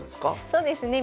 そうですね。